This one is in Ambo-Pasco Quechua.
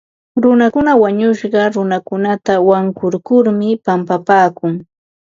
Runakuna wañushqa runakunata wankurkurmi pampapaakun.